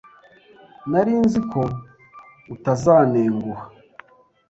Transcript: Nari nzi ko utazantenguha.